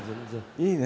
「いいね」